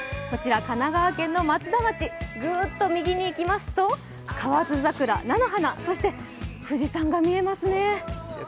こちら、神奈川県の松田町、ぐっと右に行きますと河津桜、菜の花、そして富士山が見えますね。